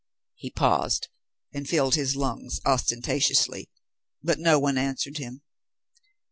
He paused, and filled his lungs ostentatiously, but no one answered him.